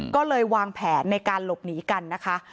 ก็เลยวางแผนในการหลบหนีกันนะคะ